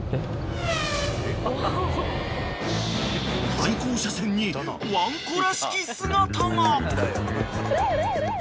［対向車線にワンコらしき姿が］